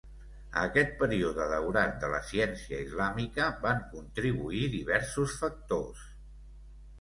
A aquest període daurat de la ciència islàmica van contribuir diversos factors.